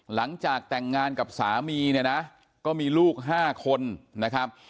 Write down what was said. หลังจากแต่งงานกับสามีเนี่ยนะก็มีลูก๕คนนะครับ